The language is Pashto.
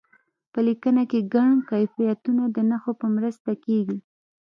په لیکنه کې ګڼ کیفیتونه د نښو په مرسته کیږي.